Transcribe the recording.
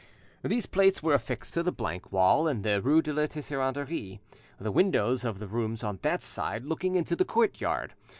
These plates were affixed to the blank wall in the rue de la Tixeranderie, the windows of the rooms on that side looking into the courtyard.